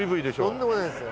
とんでもないです。